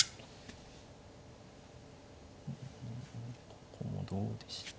ここもどうでしょう。